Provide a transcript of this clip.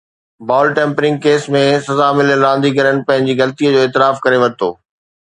بال tampering case ۾ سزا مليل رانديگرن پنهنجي غلطي جو اعتراف ڪري ورتو